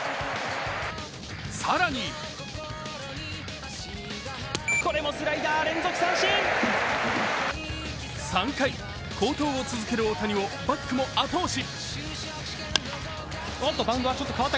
更に３回、好投を続ける大谷をバックも後押し。